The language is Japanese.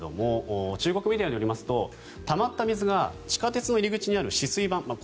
中国メディアによりますとたまった水が地下鉄の入り口にある止水板